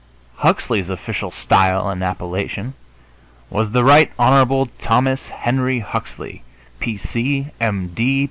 Huxley's official style and appellation was "The Right Hon. Thomas Henry Huxley, P. C., M.